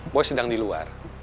boy sedang di luar